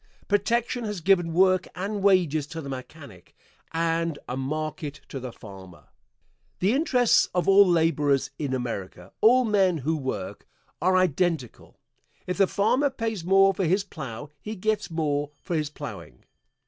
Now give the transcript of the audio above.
Protection has given work and wages to the mechanic and a market to the farmer. The interests of all laborers in America all men who work are identical. If the farmer pays more for his plow he gets more for his plowing.